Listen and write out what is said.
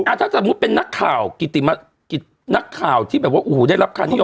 ถ้าสมมุติเป็นนักข่าวที่แบบว่าโอ้โหได้รับค่านิยม